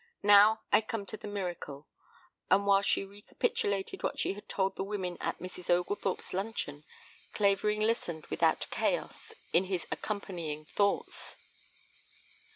"Now I come to the miracle." And while she recapitulated what she had told the women at Mrs. Oglethorpe's luncheon, Clavering listened without chaos in his accompanying thoughts.